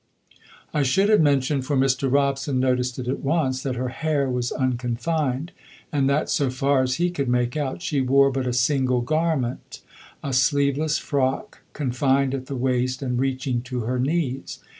I should have mentioned, for Mr. Robson noticed it at once, that her hair was unconfined, and that, so far as he could make out, she wore but a single garment a sleeveless frock, confined at the waist and reaching to her knees.